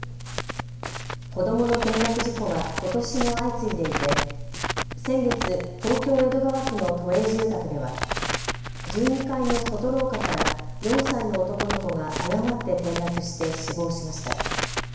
子どもの転落事故はことしも相次いでいて先月、東京江戸川区の都営住宅では１２階の外廊下から４歳の男の子が誤って転落して死亡しました。